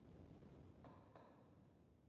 وزیرفتح خان د خپلې مړینې پر مهال مېړانه ښکاره کړه.